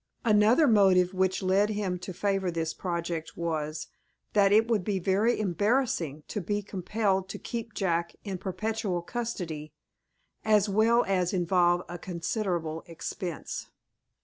Another motive which led him to favor this project was, that it would be very embarrassing to be compelled to keep Jack in perpetual custody, as well as involve a considerable expense.